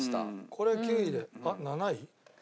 これ９位であっ７位？